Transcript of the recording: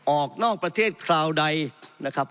ออกนอกประเทศคราวใดนะครับ